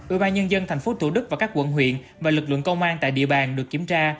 ủy ban nhân dân tp thủ đức và các quận huyện và lực lượng công an tại địa bàn được kiểm tra